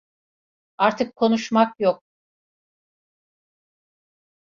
Artık konuşmak yok.